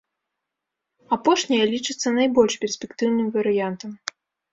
Апошняя лічыцца найбольш перспектыўным варыянтам.